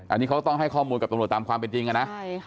อันนี้เขาต้องให้ข้อมูลกับตำรวจตามความเป็นจริงนะ